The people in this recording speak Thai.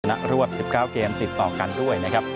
รวบ๑๙เกมติดต่อกันด้วยนะครับ